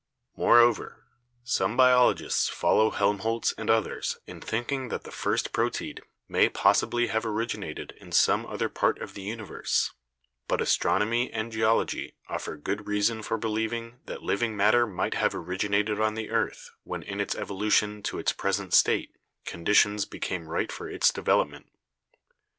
Moreover, some biologists follow Helmholtz and others in thinking that the first proteid may possibly have originated in some other part of the universe, but astron omy and geology offer good reason for believing that living matter might have originated on the earth when in its evolution to its present state conditions became right for its development.